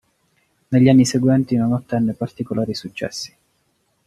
Negli anni seguenti non ottenne particolari successi.